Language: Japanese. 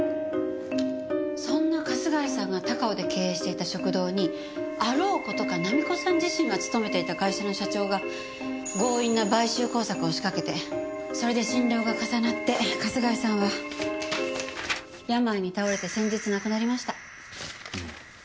そんな春日井さんが高尾で経営していた食堂にあろう事か菜実子さん自身が勤めていた会社の社長が強引な買収工作を仕掛けてそれで心労が重なって春日井さんは病に倒れて先日亡くなりました。